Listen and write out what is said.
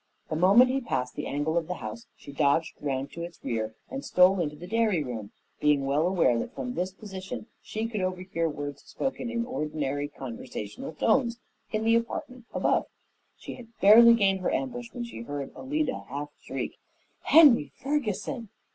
The moment he passed the angle of the house she dodged around to its rear and stole into the dairy room, being well aware that from this position she could overhear words spoken in ordinary conversational tones in the apartment above. She had barely gained her ambush when she heard Alida half shriek, "Henry Ferguson!"